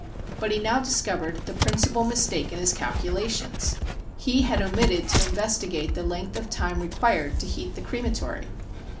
But he now discovered the principal mistake in his calculations. He had omitted to investigate the length of time required to heat the crematory.